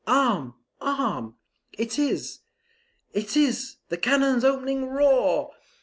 Arm! Arm! it is it is the cannon's opening roar!